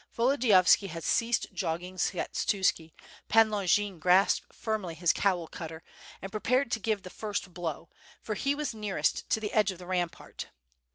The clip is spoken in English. Volodiyovski had ceased jogging Skshetuski, Pan Longin grasped firmly his "Cowl cutter" and prepared to give the first blow, for he was nearest to the edge of the rampart.